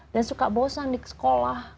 dan suka bosan di sekolah